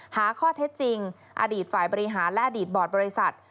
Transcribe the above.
หาข้อเท็จจริงอดีตฝ่ายบริหารและอดีตบอร์ดบริษัท